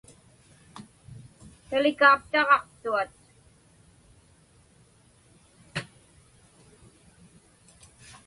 Hialikaptaġaqtuat.